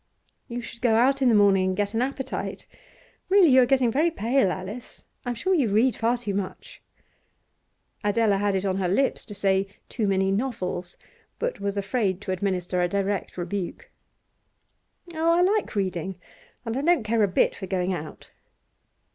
'You should go out in the morning and get an appetite. Really, you are getting very pale, Alice. I'm sure you read far too much.' Adela had it on her lips to say 'too many novels,' but was afraid to administer a direct rebuke. 'Oh, I like reading, and I don't care a bit for going out.